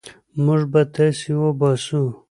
موږ به تاسي وباسو.